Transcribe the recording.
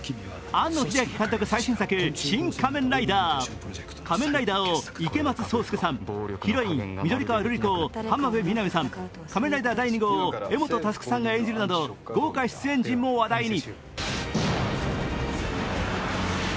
続いて３位は仮面ライダーを池松壮亮さん、ヒロイン・緑川ルリ子を浜辺美波さん仮面ライダー第２号を柄本佑さんが演じるなど豪華出演陣も話題に。